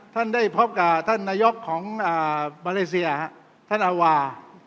ท่านได้พบกับท่านนายกของมาเลเซียท่านอาวา